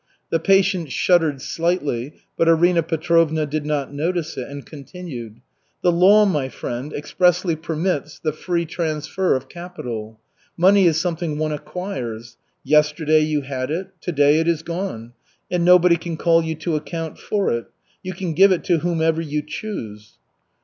The patient shuddered slightly, but Arina Petrovna did not notice it and continued: "The law, my friend, expressly permits the free transfer of capital. Money is something one acquires. Yesterday you had it. To day it is gone. And nobody can call you to account for it. You can give it to whomever you choose."